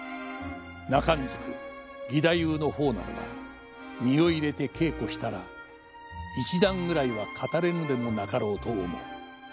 就中義太夫の方ならば身を入れて稽古したら一段ぐらいは語れぬでも無かろうと思う。